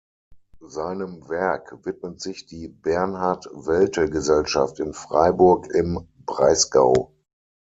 Seinem Werk widmet sich die Bernhard-Welte-Gesellschaft in Freiburg im Breisgau.